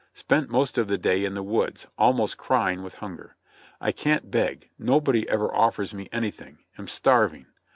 Spent most of the day in the woods, almost crying with hunger. I can't beg — nobody ever ofifers me anything — am starving.